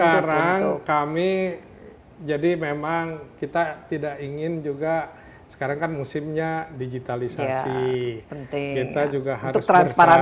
sekarang kami jadi memang kita tidak ingin juga sekarang kan musimnya digitalisasi penting kita